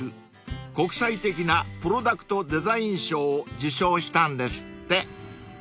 ［国際的なプロダクトデザイン賞を受賞したんですって］